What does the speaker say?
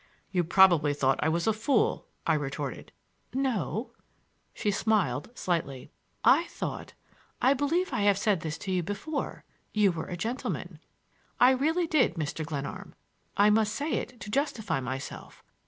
"You probably thought I was a fool," I retorted. "No;"—she smiled slightly—"I thought—I believe I have said this to you before!—you were a gentleman. I really did, Mr. Glenarm. I must say it to justify myself.